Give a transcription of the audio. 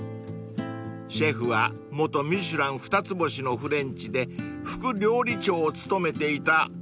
［シェフは元『ミシュラン』２つ星のフレンチで副料理長を務めていた坂さん］